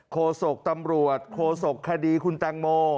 โศกตำรวจโคศกคดีคุณแตงโม